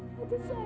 ibu cepat sembuh